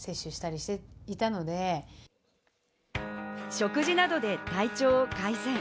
食事などで体調を改善。